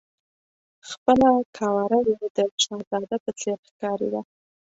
خپله قواره یې د شهزاده په څېر ښکارېده.